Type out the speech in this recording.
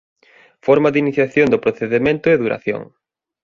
Forma de iniciación do procedemento e duración.